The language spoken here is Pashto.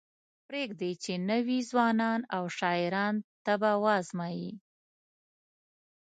پریږدئ چې نوي ځوانان او شاعران طبع وازمایي.